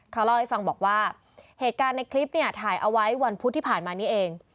เขาเล่าให้ฟังบอกว่าเหตุการณ์ในคลิปเนี่ยถ่ายเอาไว้วันพุธที่ผ่านมานี้เอง